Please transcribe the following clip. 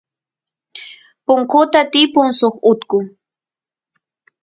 punkuta tiypun suk utku